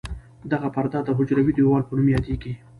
دغه پرده د حجروي دیوال په نوم یادیږي.